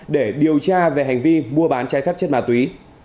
để điều tra về hành vi mua bán trái phép chất ma túy